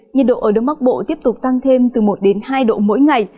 nhiệt độ ở đông bắc bộ tiếp tục tăng thêm từ một đến hai độ mỗi ngày